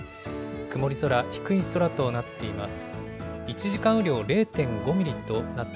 曇り空、低い空となっています。